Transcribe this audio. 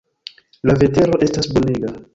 La vetero estas bonega.